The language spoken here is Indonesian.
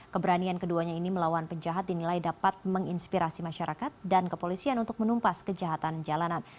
keberanian keduanya ini melawan penjahat dinilai dapat menginspirasi masyarakat dan kepolisian untuk menumpas kejahatan jalanan